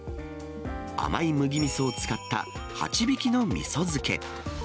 甘い麦みそを使ったハチビキのみそ漬け。